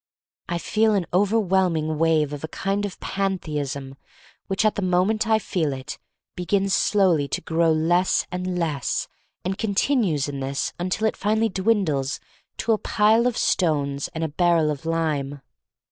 I feel an overwhelming wave of a kind of pantheism which, at the mo ment I feel it, begins slowly to grow less and less and continues in this until finally it dwindles to a Pile of Stones and a Barrel of Lime.